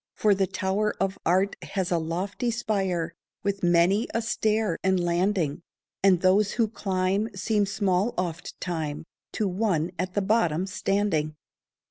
For the tower of art has a lofty spire, With many a stair and landing, And those who climb seem small oft time To one at the bottom standing.